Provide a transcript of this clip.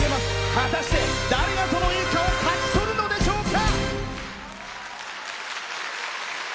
果たして誰がその栄冠を勝ち取るのでしょうか。